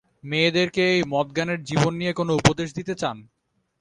মেয়েদেরকে এই মদ-গানের জীবন নিয়ে কোনো উপদেশ দিতে চান?